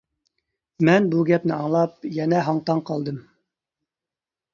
مەن بۇ گەپنى ئاڭلاپ يەنە ھاڭ-تاڭ قالدىم.